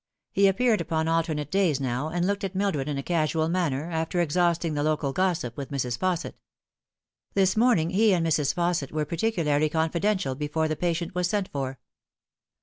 He appeared upon alter nate days now, and looked at Mildred in a casual manner, after exhausting the local gossip with Mrs. Fausset. This morning he and Mrs. Fausset were particularly confidential before the patient was sent for.